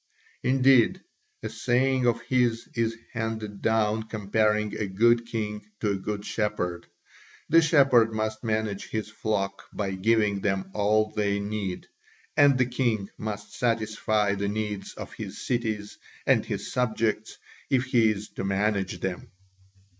Indeed, a saying of his is handed down comparing a good king to a good shepherd the shepherd must manage his flock by giving them all they need, and the king must satisfy the needs of his cities and his subjects if he is to manage them.